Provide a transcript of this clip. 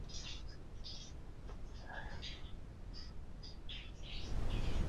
Each painting is crafted in Kanda's own uniquely calm style of realism.